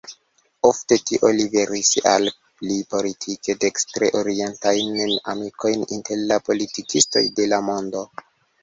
Ofte tio liveris al li politike dekstre-orientitajn amikojn inter la politikistoj de la mondo.